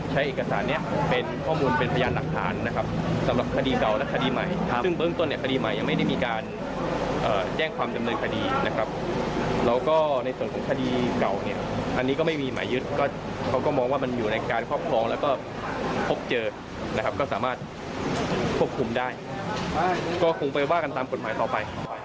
แจ้งความดำเนินคดีนะครับแล้วก็ในส่วนของคดีเก่าเนี่ยอันนี้ก็ไม่มีหมายยึดก็เขาก็มองว่ามันอยู่ในการครอบครองแล้วก็พบเจอนะครับก็สามารถควบคุมได้ก็คงไปว่ากันตามกฎหมายต่อไป